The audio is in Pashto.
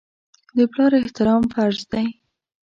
د پلار احترام فرض دی.